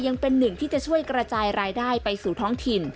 ยังเป็นหนึ่งที่จะช่วยกระจายรายได้ไปสู่ท้องถิ่น